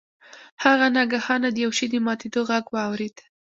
هغه ناگهانه د یو شي د ماتیدو غږ واورید.